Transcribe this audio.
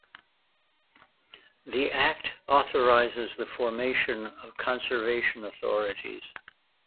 The act authorizes the formation of conservation authorities.